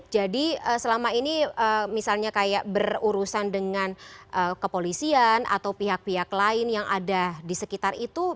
jadi selama ini misalnya kayak berurusan dengan kepolisian atau pihak pihak lain yang ada di sekitar itu